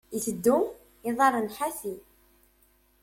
Iteddu, iḍarren ḥafi.